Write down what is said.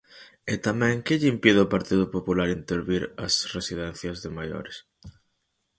¿E tamén que lle impide ao Partido Popular intervir as residencias de maiores?